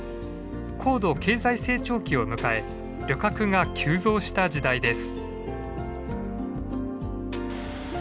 高度経済成長期を迎え旅客が急増した時代です。